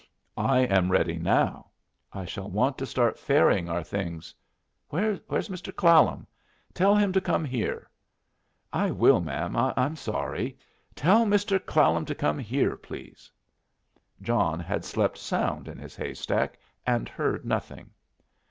"I am ready now. I shall want to start ferrying our things Where's Mr. Clallam? Tell him to come here." "I will, ma'am. I'm sorry " "Tell Mr. Clallam to come here, please." John had slept sound in his haystack, and heard nothing.